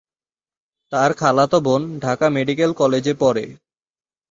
তার খালাতো বোন ঢাকা মেডিকেল কলেজে পড়ে।